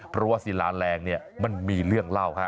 เพราะว่าศิลาแหลงมันมีเรื่องเล่าค่ะ